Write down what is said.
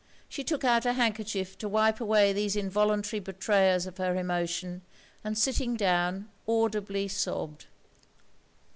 She took out a handkerchief to wipe away these involuntary betrayers of her emotion, and sitting down, audibly sobbed.